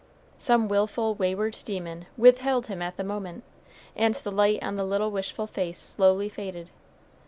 Some willful wayward demon withheld him at the moment, and the light on the little wishful face slowly faded.